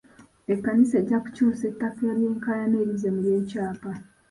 Ekkanisa ejja kukyusa ettaka ly'enkaayana erizze mu ly'ekyapa.